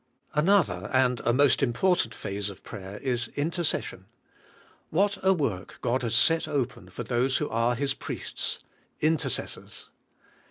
Another, and a most important phase of prayer is intercession. What a work God has set open for those who are His priests — intercessors!